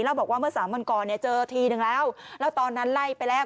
แล้วบอกว่าเมื่อสามวันก่อนเนี่ยเจอทีนึงแล้วแล้วตอนนั้นไล่ไปแล้ว